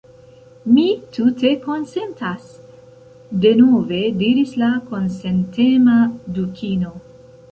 "Mi tute konsentas," denove diris la konsentema Dukino. "